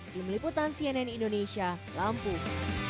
tim liputan cnn indonesia lampung